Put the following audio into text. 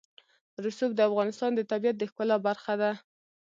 رسوب د افغانستان د طبیعت د ښکلا برخه ده.